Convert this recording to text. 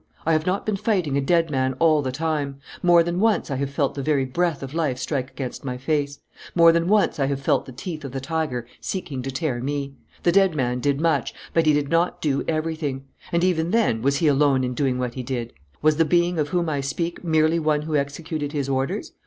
I have not been fighting a dead man all the time; more than once I have felt the very breath of life strike against my face. More than once I have felt the teeth of the tiger seeking to tear me. "The dead man did much, but he did not do everything. And, even then, was he alone in doing what he did? Was the being of whom I speak merely one who executed his orders?